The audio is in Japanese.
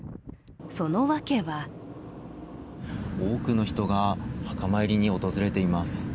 そのわけは多くの人が墓参りに訪れています。